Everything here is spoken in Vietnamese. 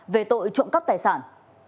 về tội trộm cắp tài sản